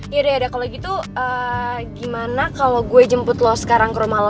ya dada kalau gitu gimana kalau gue jemput lo sekarang ke rumah lo